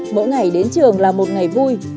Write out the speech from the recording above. mỗi ngày đến trường là một ngày vui